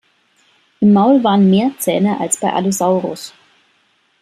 Im Maul waren mehr Zähne als bei "Allosaurus".